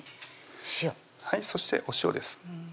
塩そしてお塩です